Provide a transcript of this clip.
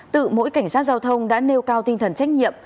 tự mỗi cảnh sát giao thông đã nêu cao tinh thần trách nhiệm